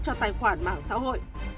cho tài khoản mạng xã hội